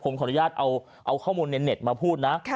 ผมขออนุญาตเอาข้อมูลในเน็ตมาพูดนะ